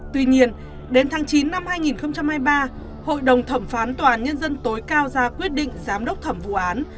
tuy nhiên đến tháng chín năm hai nghìn hai mươi ba hội đồng thẩm phán tòa án nhân dân tối cao ra quyết định giám đốc thẩm vụ án